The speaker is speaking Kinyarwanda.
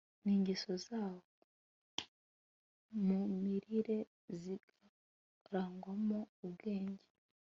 ningeso zawe mu mirire zikarangwamo ubwenge